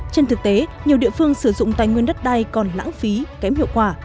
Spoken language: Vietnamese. trên thực tế nhiều địa phương sử dụng tài nguyên đất đai còn lãng phí kém hiệu quả